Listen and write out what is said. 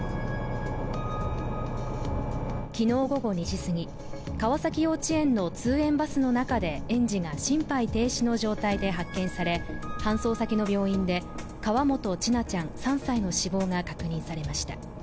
昨日午後２時すぎ、川崎幼稚園の通園バスの中で園児が心肺停止の状態で発見され、搬送先の病院で河本千奈ちゃん、３歳の死亡が確認されました。